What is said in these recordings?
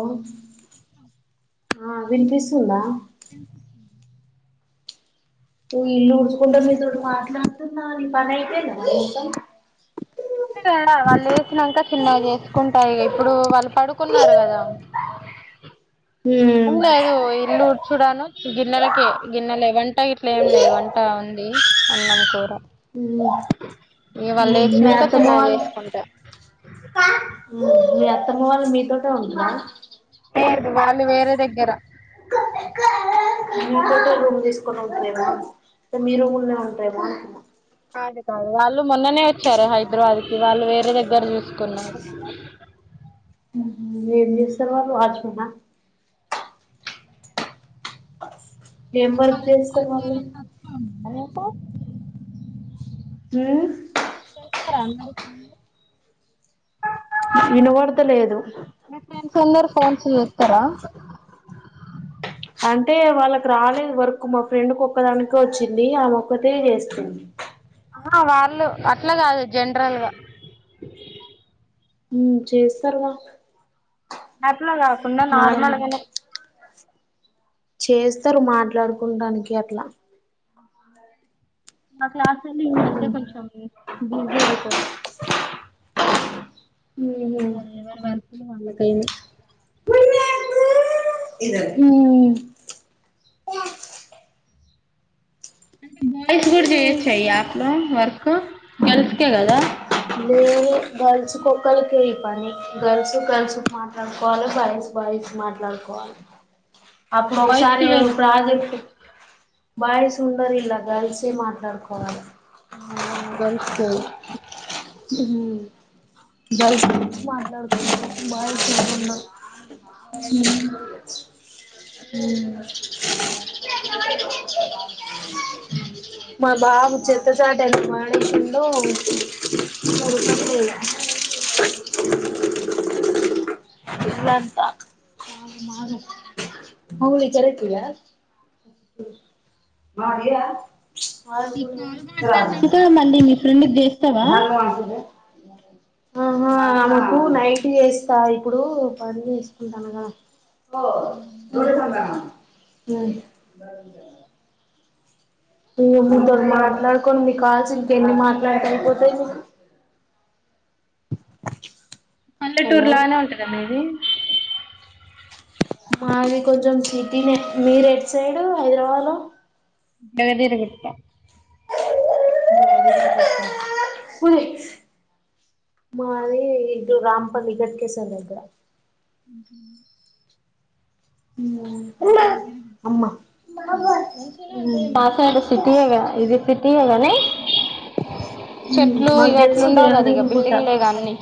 ఔ ఆ వినిపిస్తుందా వినిపిస్తుంది ఇల్లు ఉడ్చుకుంటా మీతో టి మాట్లాడుతున్నా మీ పని అయిపోయిందా మొత్తం ఎక్కడ వాళ్ళు యేసినాక చిన్నగా ఎసుకుంటాయి ఇప్పుడు వాళ్ళు పడుకున్నారు కదా ఏం మరి లేదు ఇల్లు ఉడ్చ గానే గిన్నెలకే గిన్నెలెవెన్ వంట ఇట్లా ఏం లేదు వంట ఉంది అన్నాం కూర మ్మ్ ఇక వాళ్ళు మ్మ్ మీ వేసినాక అత్తమ్మ చిన్నగా వాళ్ళు చేసుకుంటా మీ అత్తమ్మ వాళ్ళు మీతోటే ఉంటరా లేదు వాళ్ళు వేరే దగ్గర మీకోటే రూమ్ తీసుకొని వెళ్ళిపొయార మీ రుమ్ లోనే ఉంటాయిగా కాదు కాదు వాళ్ ళు మొన్ననే వచ్చారు హైదరాబాద్ కి వాళ్ళు వేరే దగ్గర చూసుకున్నారు ఎం చేస్తూ తర్వాత వాచ్ మెన్ ఆ ఏం వర్క్ చేస్తాన్నారు ఆది ఎంత [unintelligible] ఇచ్చారండి ఫోన్లు వినుపడత లేదు స్తార అంటే వాళ్ళకి రాలేదు వర్క్ మా ఫ్రెండ్ కు ఒక్కదానికే వచ్చింది ఆమొ ఒక్కతే చేస్తుంది. ఆ వాళ్ళు అట్లా కాదు జనరల్గా హు చేస్తారు వర్క్ నా అట్లా కాకుండా నార్మల్గానే చేస్తారు మాట్లాడుకుడానికి అట్లా అ క్లాస్లు ఈ మధ్య కొంచెం బిజీ అయిపోతయి ఉమ్ ఎవరి వర్కులు వాళ్ళకి అయినాయి ఊ అంటే బాయ్స్ కూడా చేయొచ్చా ఈ యాప్లో వర్క్ గర్ల్స్కే కదా లేను గర్ల్స్ ఒక్కలకి ఈ పని గర్ల్స్ గర్ల్స్ మాట్లాడుకోవాలి. బాయ్స్ బాయ్స్ మాట్లాడుకోవాలి. అప్పుడు బాయ్స్ కి ఒకసారి వే ప్రాజెక్ట్ బాయ్స్ ఉండరు కదా బాయ్స్ ఏ మాట్లాడుకోవాలి అవున గర్ల్స్ కి హు బాయ్స్ గురించి మాట్లాడుకోవాలి బాయ్స్ ఉండరు [unintelligible] హు మా బావ [unintelligible] మానేసిండు ఇల్లంతా ఆగమాగం మళ్ళీ [unintelligible] ఈ కాల్ మాట్లాడినాక మళ్ళీ మీ ఫ్రెండ్ చేస్తావా [unintelligible] ఆహా ఆమెకు నైట్ చేస్తా ఇప్పుడు పని చేసుకుంటాను కదా [unintelligible] [unintelligible] నవ్వు మాటలకోనీ కాల్స్ ఇంకా ఎన్ని మాట్లాడితే అయిపోతాయి. పల్లెటూరు హలో లానే ఉంటదా మీది మాది కొంచం సిటీనే మీర్ ఎటు సైడూ హైదరాబాద్ లో జగద్గిరిగుట్ట మాది ఇటు రాంపల్లి ఘట్కేసరి దగ్గర ఉ హూ అమ్మ మంచిగనే ఉంటది మా సైడ్ సిటీ ఏగా ఇది సి [inaudible] చెట్లు మాకు ఇగ తెలుసు అట్లుండవు కదా ఇగ జగదేగుల గుట్ట బిల్డింగ్ లేగ అన్ని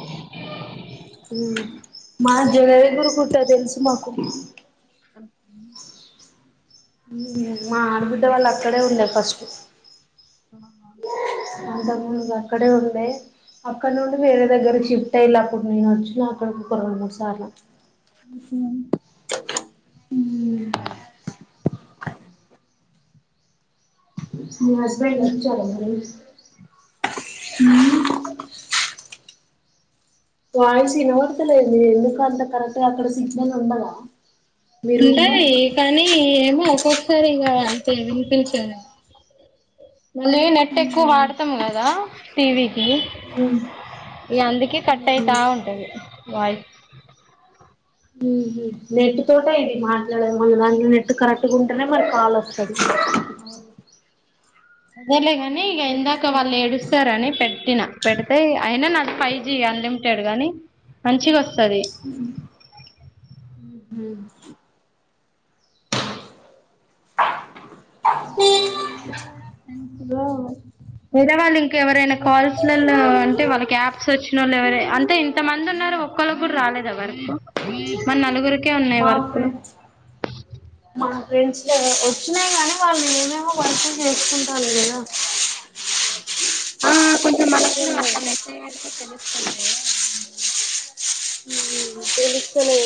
మా జగద్గిరిగుట్ట తెలుసు మాకు అ మా ఆడబిడ్డ వాళ్ళు అక్కడే ఉండే ఫస్ట్ ఆ హా అంతకు ముందుకు అక్కడే ఉండే అక్కడ నుండి వేరే దగ్గరకి షిఫ్ట్ అయ్యిలూ అప్పుడు మేం వచ్చినం అక్కడికి ఒక రెండు మూడు సార్లు ఉ హూ మ్మ్ [unintelligible] [unintelligible] చాలే మ్ వాయిస్ వినపడట్లేదు మీది ఎందుకు అంత కరెక్టుగా అక్కడ సిగ్నల్ ఉండదా మీ రూమ్ లో ఉంటాయి కానీ ఏమో ఒక్కొస సారిగ అంతే వినిపించదు మళ్ళీ నెట్ ఎక్కువ వాడతాం కదా టీవీకి మ్ ఇగ అందికే కట్ అయితా ఉంటది వాయిస్ నెట్ తోటే ఇది మాట్లాడాలి మళ్ళి దానికి నెట్ కరెక్టుగుంటనే మనకి కాల్ వస్తది అదేలే గానీ ఇగ ఇందాక వాళ్ళు ఏడుస్తారని పెట్టినా పెడితే అయినా నాది ఫై జీ అన్లిమిటెడ్ గానీ మంచిగొ స్తది ఊ హు ఇంక ఎవరైనా ఉన్నా కూడా ఫ్రెండ్స్ లేదా వాళ్ళు ఇంకెవరైనా కాల్స్ లలో అంటే వాళ్ళకి యాప్స్ ఒచ్చినోళ్ళు ఎవరై అంటే ఇంత మంది ఉన్నరూ ఒక్కళ్ళ కూడా రాలేదా వర్కు మన నలుగురికే ఉన్నయ్ మా వర్కులు ఫ్రెండ్స్ మా ఫ్రెండ్స్ వచ్చినై గానీ వాళ్ళు ఏమేమో వర్కుల్ చేసుకుంటాలూ కదా కొంచెం మనకు కూడా అట్ల మెసేజ్ పెడితే తెలుస్ స్తది గదా తెలుస్తలేదు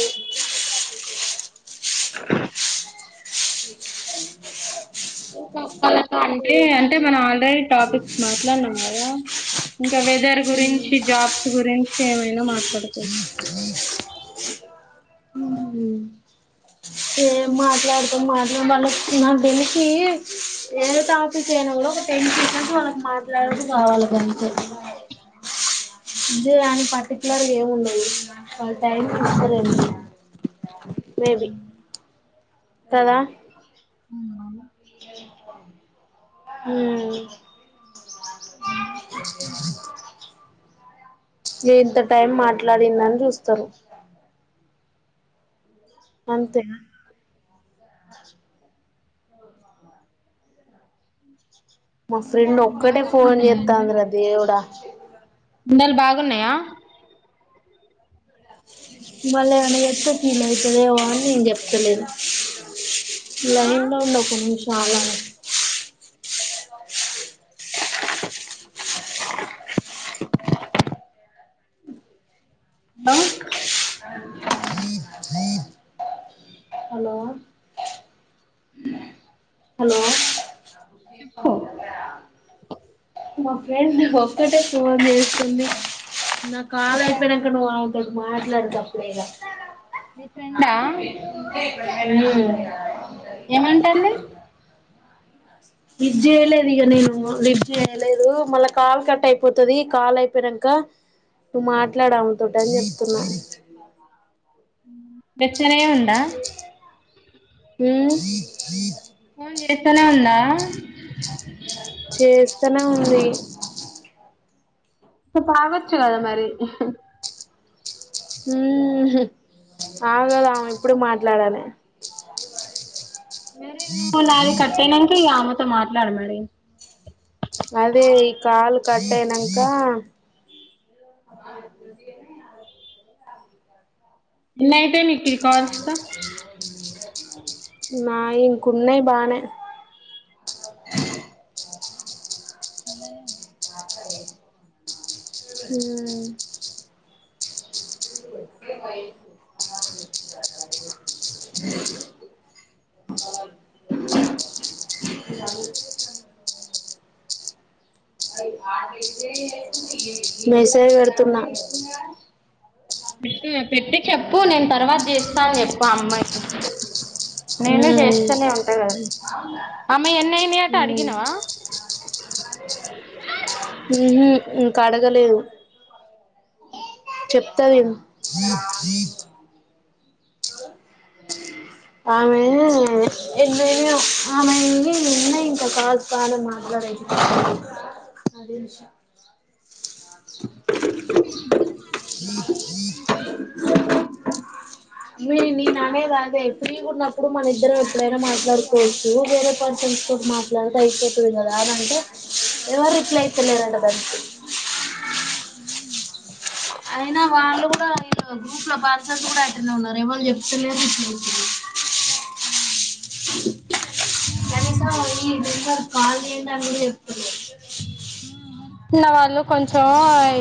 ఊకా అంటే అంటే మనం ఆల్రెడీ టాపిక్ మాట్లాడనం కదా ఇంకా వెదర్ గురించి జాబ్స్ గురించి ఏమైనా మాట్లా [unintelligible] మాట్లాడుతం మాత్రం వాళ్ళకు నాకు తెలిసీ ఏదో టాపిక్ అయినా కూడా ఒక టెన్ సెకండ్స్ వాళ్ళకి మాట్లాడుడూ కావాలి గంతే ఇదే అని పర్టికులర్ గా ఏముండదు [unintelligible] మేబి కదా అవున మ్మ్ ఇంత టైం మాట్లాడిందని చూస్తారు అంతేనా మా ఫ్రెండ్ ఒక్కటే ఫోన్ చేత్తాందిర దేవుడా ఎండలు బాగున్నాయా మళ్ళ ఏమన్న చెప్తే ఫీల్ అయితే అని నేను చెప్తలేను ఆ లైన్లో ఉండు ఒక నిమిష చాలా బ్బా హలో హలో మా ఫ్రెండ్ ఒక్కటే ఫోన్ చేస్తుంది నా కాల అయిపోయినంక నువ్వు ఆ మాట్లాడేట్పుడే గా మీ ఫ్రెండా నెల్లూరు లో ఏమంటుంది లిఫ్ట్ జేయలేదు ఇగ నేను లిఫ్ట్ చేయలేదూ మళ్ళ కాల్ కట్ అయిపోతది, కాల్ అయిపోయినంకా నువ్వు మాట్లాడు ఆమె తోటి అని చెప్తున్నా గట్లనే ఉందా ఉమ్ ఎత్తనే ఉన్న చేస్తానే ఉంది కా పవచ్చు కాద మరి ఉ హు ఆగదు ఆమె ఇప్పుడు మాట్లాడాలి వేరే నాలు కట్టెనంక ఆమెతో మా ఎట్లా రా మరి అదే ఈ కాలు కట్ అయినంక ఎన్నైతే నికు కాస్త నాయి ఇంకా ఉన్నాయి బానే తనను ఉ మెసేజ్ పెడుతున్నా పెట్టి చెప్పు నేను తర్వాత చేస్తాను చెప్పు ఆ అమ్మాయికి నేను ఉమ్ చేస్తూనే ఉంటా కద ఆమె ఎన్నైనాయి అట ఉమ్ అడిగినవా గలేదు చెప్తదేమో ఆమె ఎన్ని అయినయో ఆమె ఈ ఉన్నాయి ఇంకా కాల్స్ బానే మాట్లాడేటివి మీరిద్దరూ మాట్లాడుతున్నానే ఉన్నారు ఇంకా లా మీ నేననేది అదే ఫ్రీగ ఉన్నప్పుడు మన ఇద్దరం ఎప్పుడైనా మాట్లాడుకోవచ్చు వేరే పర్సన్స్తోటి మాట్లాడితే అయిపోతది కదా అని అంటే ఎవరు రిప్లై ఇత్తలేరట దానికి అయినా వాళ్ళు కూడా గ్రూప్ లో పర్సన్స్ కూడా అట్లానే ఉన్నారు ఎవరు చెప్తాలేరు కనీసం ఈ నంబర్ కి కాల్ చేయండి అని కూడా చెప్పలేరు ఉన్న వాళ్లు కొంచెం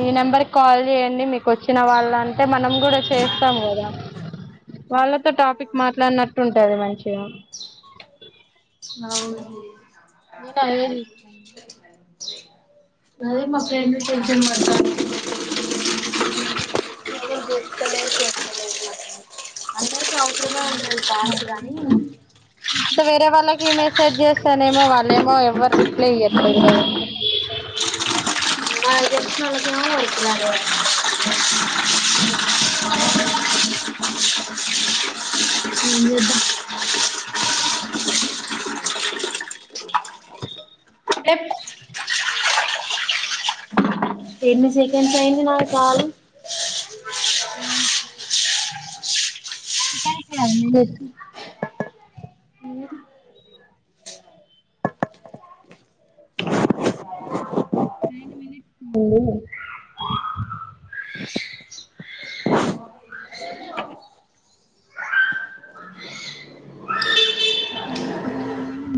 ఈ నంబర్ కి కాల్ చేయండి మీకు వచ్చిన వాళ్ళు అంటే మనం కూడా చేస్తాం కదా వాళ్లక్ టాపిక్ మాట్లాడినట్టు ఉ టది మంచిగా అవును నేను సానియా అదే చూస్ అదే మా ఫ్రెండ్ టెన్షన్ పడతాంది ఉ ఎవరు లేప్తలేరు చెత్తలేరు నాకైతే అందరికీ అవ్ వేరే వాళ్ల ఈ మెసేజ్ చేస్తేనేమో వర్ ఏమో ఎవరు రిప్లై ఇయ్యట్లేదు కదా మనకు తెలిసినోళ్లకేమో ఊరుకులాడబట్టే ఏం జేద్దం ఎప్ ఎన్ని సెకండ్స్ అయ్యింది నా కాలు నైన్ సెకండ్స్ కాదు మినిట్ నైన్ మినిట్స్ అయ్యిందా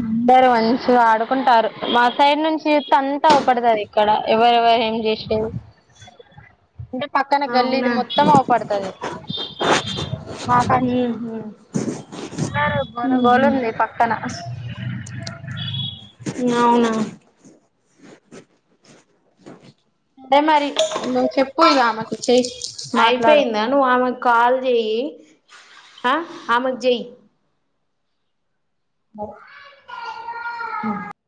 అందరు మంచిగా ఆడుకుంటారు మా సైడ్ నుంచి చూత్తే అంతా అవుపడతది ఇక్కడ ఎవరెవరు ఏం చేసేది అంటే పక్కన గల్లీది అవునా మొత్తం అవుపడతది మాకంచెల్లి అందరు మను ఊహూ గోలుంది పక్కన అవునా అదే మరి నువ్వు చెప్పుయిగా ఆమెకి చేయ్ అయిపోయిందా నువ్వు ఆమెకు కాల్ చెయ్యి అ ఆమెకి జెయ్ ఓ హు